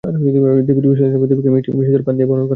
দেবী বিসর্জনের সময় দেবীকে মিষ্টি, সিঁদুর, পান দিয়ে বরণ করা হয়।